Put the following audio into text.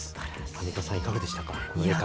アンミカさん、いかがでしたか。